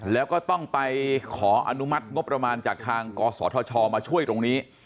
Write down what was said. แล้วก็ต้องไปขออนุมัติงบประมาณจากทางกศธชมาช่วยตรงนี้